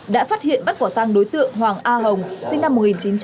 đã phát hiện bắt quả thang đối tượng hoàng a hồng sinh năm một nghìn chín trăm chín mươi bảy